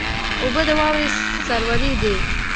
اوبه د واورې سرور دي.